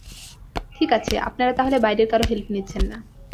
ঠিক আছে, আপনারা তাহলে বাইরের কারো হেল্প নিচ্ছেন না।